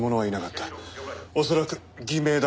恐らく偽名だ。